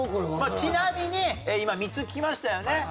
ちなみに今３つ聞きましたよね。